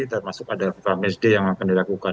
termasuk ada fifa matchday yang akan dilakukan